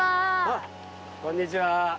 あっこんにちは。